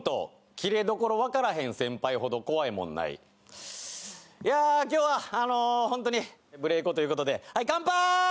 「キレどころわからへん先輩ほど怖いもんない」いや今日はあのホントに無礼講ということではいかんぱーい！